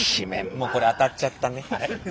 もうこれ当たっちゃったね。